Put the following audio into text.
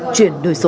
chuyển đổi số